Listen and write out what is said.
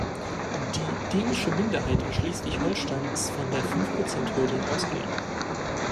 Die dänische Minderheit in Schleswig-Holstein ist von der Fünfprozenthürde ausgenommen.